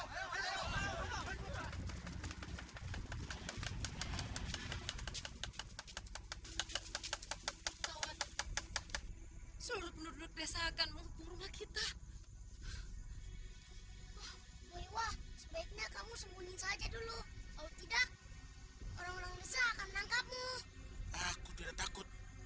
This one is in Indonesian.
sebaiknya kamu sembunyi saja dulu kalau tidak orang orang bisa akan menangkapmu aku tidak takut